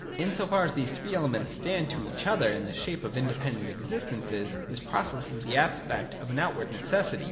In so far as these three elements stand to each other in the shape of independent existences, this process has the aspect of an outward necessity.